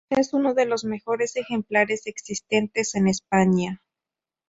Es uno de los mejores ejemplares existentes en España.